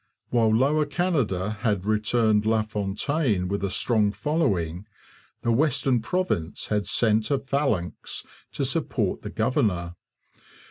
While Lower Canada had returned LaFontaine with a strong following, the western province had sent a phalanx to support the governor.